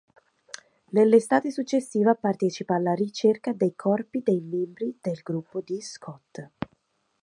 Nell'estate successiva partecipa alla ricerca dei corpi dei membri del gruppo di Scott.